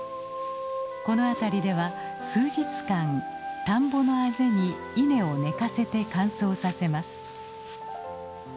この辺りでは数日間田んぼのあぜに稲を寝かせて乾燥させます。